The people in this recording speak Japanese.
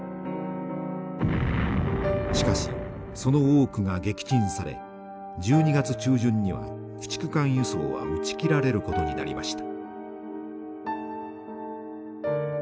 しかしその多くが撃沈され１２月中旬には駆逐艦輸送は打ち切られることになりました。